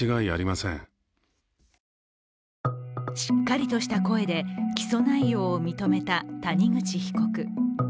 しっかりとした声で起訴内容を認めた谷口被告。